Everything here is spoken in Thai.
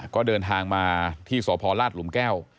ก็เดินทางมาที่สพลาดหลุมแก้ว